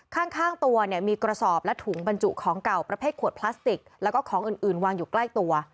ข้างตัวเนี่ยมีกระสอบและถุงบรรจุของเก่าประเภทขวดพลาสติกแล้วก็ของอื่นวางอยู่ใกล้ตัว